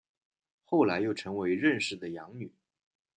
后来又成为任氏的养女。